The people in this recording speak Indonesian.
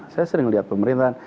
saya sering lihat pemerintahan